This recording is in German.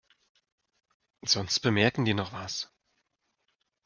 Sonst bemerken die noch was.